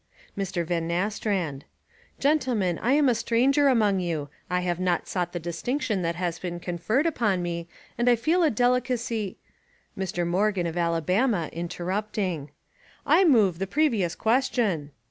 Mr. Van Nastrand: "Gentlemen, I am a stranger among )'0U, I have not sought the distinction that has been conferred upon me, and I feel a delicacy " Mr. Morgan, of Alabama (interrupting) : "I move the previous question."